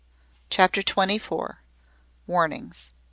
CHAPTER TWENTY FOUR. WARNINGS.